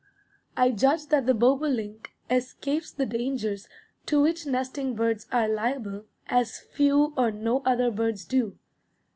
I judge that the bobolink escapes the dangers to which nesting birds are liable as few or no other birds do.